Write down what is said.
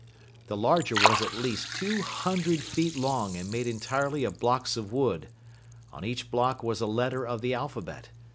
The larger was at least two hundred feet long and made entirely of blocks of wood. On each block was a letter of the alphabet.